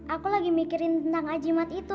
aku lagi mikirin tentang ajimat itu